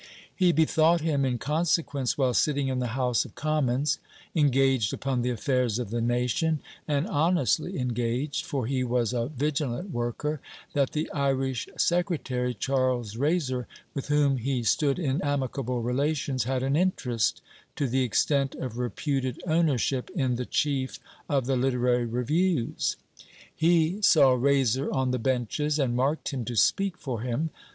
He bethought him, in consequence, while sitting in the House of Commons; engaged upon the affairs of the nation, and honestly engaged, for he was a vigilant worker that the Irish Secretary, Charles Raiser, with whom he stood in amicable relations, had an interest, to the extent of reputed ownership, in the chief of the Literary Reviews. He saw Raiser on the benches, and marked him to speak for him.